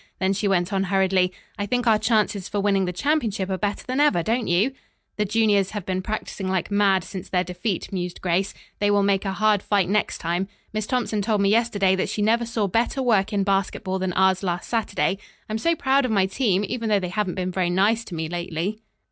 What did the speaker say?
Then she went on hurriedly, "I think our chances for winning the championship are better than ever, don't you?" "The juniors have been practising like mad since their defeat," mused Grace. "They will make a hard fight next time. Miss Thompson told me yesterday that she never saw better work in basketball than ours last Saturday. I am so proud of my team, even though they haven't been very nice to me lately.